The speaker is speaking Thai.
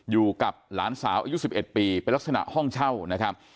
อยู่กับหลานสาวอายุ๑๑ปีเป็นลักษณะห้องเช่านะครับ